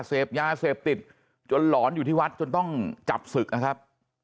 เสพยาเสพติดจนหลอนอยู่ที่วัดจนต้องจับศึกนะครับ